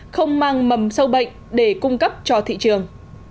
không mang mầm sâu bệnh để cung cấp cho thị trường